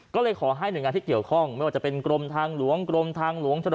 ก็เลยขอให้หน่วยงานที่เกี่ยวข้องไม่ว่าจะเป็นกรมทางหลวงกรมทางหลวง